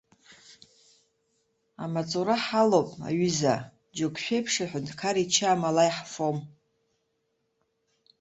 Амаҵура ҳалоуп, аҩыза, џьоук шәеиԥш аҳәынҭқар ича амала иаҳфом!